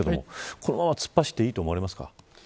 このまま突っ走ってもいいと思われますか。